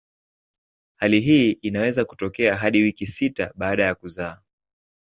Hali hii inaweza kutokea hadi wiki sita baada ya kuzaa.